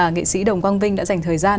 nghệ sĩ đồng quang vinh đã dành thời gian